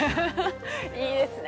◆いいですね。